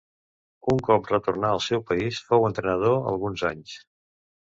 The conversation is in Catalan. Un cop retornà al seu país fou entrenador alguns anys.